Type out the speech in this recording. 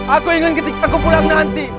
aku ingin ketika aku pulang nanti